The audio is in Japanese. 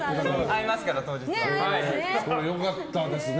良かったですね。